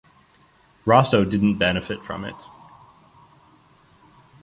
Rosso didn’t benefit from it.